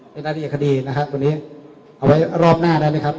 ไอ้นัตริยาคดีนะครับวันนี้เอาไว้รอบหน้าได้มั้ยครับ